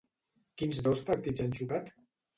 Quins dos partits han xocat?